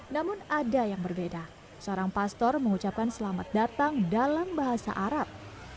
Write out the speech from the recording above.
namun ada yang berbeda seorang pastor mengucapkan selamat datang dalam bahasa arab